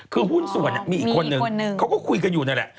คือหุ้นส่วนมีอีกคนนึงเขาก็คุยกันอยู่นั่นแหละ